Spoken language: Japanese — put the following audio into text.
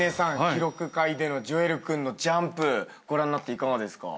記録会でのジョエル君のジャンプご覧になっていかがですか？